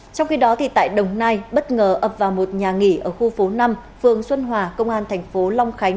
trong khi đó tại đồng nai bất ngờ ập vào một nhà nghỉ ở khu phố năm phường xuân hòa công an thành phố long khánh